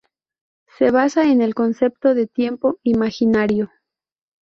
Se basa en el concepto de tiempo imaginario.